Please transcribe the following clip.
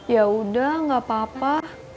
ya udah nggak papa